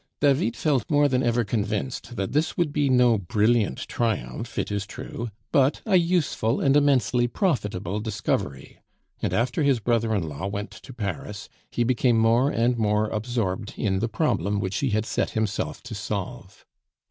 David felt more than ever convinced that this would be no brilliant triumph, it is true, but a useful and immensely profitable discovery; and after his brother in law went to Paris, he became more and more absorbed in the problem which he had set himself to solve.